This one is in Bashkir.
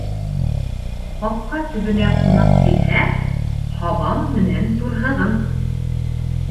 Ҡапҡа төбөнә ҡунаҡ килһә, «һабам менән турһығым»